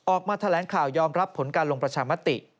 ออกมาแถลงข่าวยอมรับผลการลงประชามติ